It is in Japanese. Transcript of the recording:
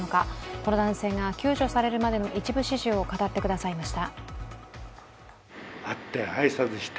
この男性が救助されるまでの一部始終を語ってくださいました。